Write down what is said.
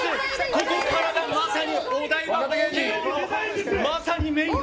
ここからがまさにお台場冒険王のまさにメイン。